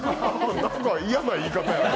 何か、嫌な言い方やな。